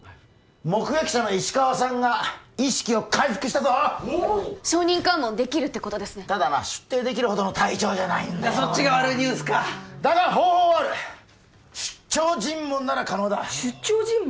目撃者の石川さんが意識を回復したぞ証人喚問できるってことですね出廷できるほどの体調じゃないそっちが悪いニュースかだが方法はある出張尋問なら可能だ出張尋問？